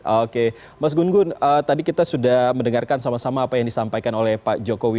oke mas gun gun tadi kita sudah mendengarkan sama sama apa yang disampaikan oleh pak jokowi